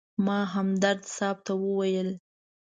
ما همدرد صاحب ته وویل.